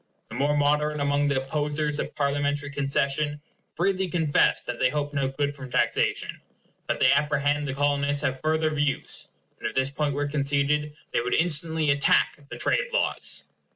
The more moderate among the opposers of Parliamentary concession freely confess that they hope no good from taxation, but they apprehend the Colonists have further views; and if this point were conceded, they would instantly attack the trade laws.